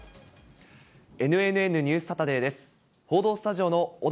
ＮＮＮニュースサタデーです。